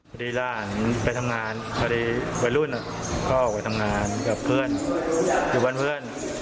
พอดีหลานไปทำงานพอดีวัยรุ่นก็ออกไปทำงานกับเพื่อนอยู่บ้านเพื่อน